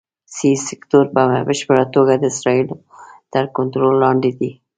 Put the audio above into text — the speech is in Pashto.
سي سیکټور په بشپړه توګه د اسرائیلو تر کنټرول لاندې دی.